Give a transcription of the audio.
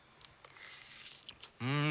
うん！